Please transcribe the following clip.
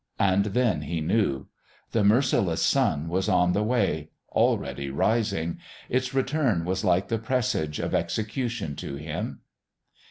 And then he knew. The merciless sun was on the way, already rising. Its return was like the presage of execution to him....